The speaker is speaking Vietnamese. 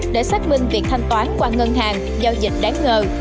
để xác minh việc thanh toán qua ngân hàng giao dịch đáng ngờ